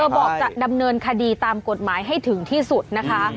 บอกจะดำเนินคดีตามกฎหมายให้ถึงที่สุดนะคะ